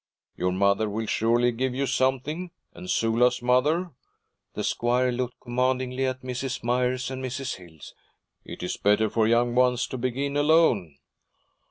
'Your mother will surely give you something, and Sula's mother.' The squire looked commandingly at Mrs. Myers and Mrs. Hill. 'It is better for young ones to begin alone.'